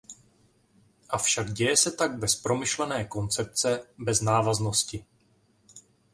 Avšak děje se tak bez promyšlené koncepce, bez návaznosti.